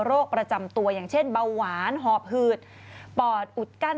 ประจำตัวอย่างเช่นเบาหวานหอบหืดปอดอุดกั้น